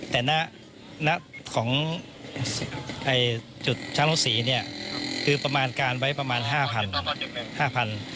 แต่ณของจุดช้างรถสีเนี่ยคือประมาณการไว้ประมาณ๕๐๐๕๐๐บาท